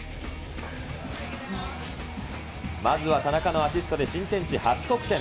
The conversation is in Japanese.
まずは田中のアシストで新天地初得点。